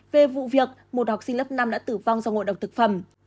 về vụ việc một học sinh lớp năm đã tử vong do ngộ độc thực phẩm